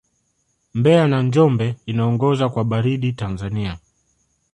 mbeya na njombe inaongoza kwa baridi tanzania